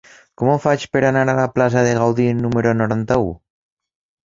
Com ho faig per anar a la plaça de Gaudí número noranta-u?